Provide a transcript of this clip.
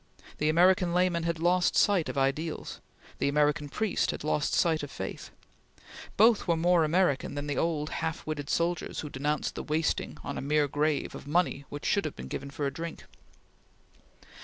The American layman had lost sight of ideals; the American priest had lost sight of faith. Both were more American than the old, half witted soldiers who denounced the wasting, on a mere grave, of money which should have been given for drink.